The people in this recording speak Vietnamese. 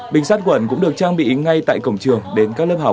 bình sát quẩn cũng được trang bị ngay tại cổng trường đến các lớp học